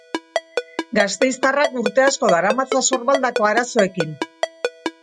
Gasteiztarrak urte asko daramatza sorbaldako arazoekin.